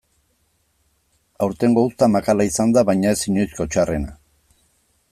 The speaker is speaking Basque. Aurtengo uzta makala izan da baina ez inoizko txarrena.